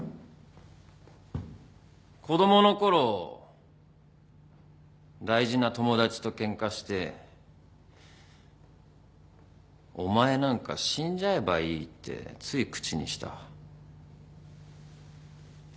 子供のころ大事な友達とケンカして「お前なんか死んじゃえばいい」ってつい口にした。